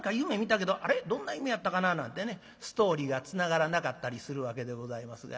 どんな夢やったかな」なんてねストーリーがつながらなかったりするわけでございますが。